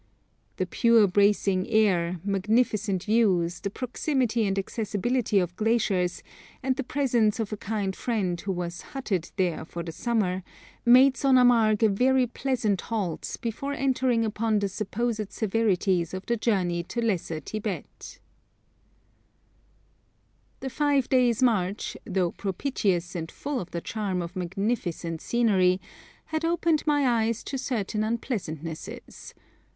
The pure bracing air, magnificent views, the proximity and accessibility of glaciers, and the presence of a kind friend who was 'hutted' there for the summer, made Sonamarg a very pleasant halt before entering upon the supposed severities of the journey to Lesser Tibet. [Illustration: SONAMARG] The five days' march, though propitious and full of the charm of magnificent scenery, had opened my eyes to certain unpleasantnesses.